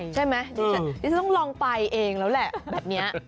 ใช่ไหมนี่จะต้องลองไปเองแล้วแหละแบบนี้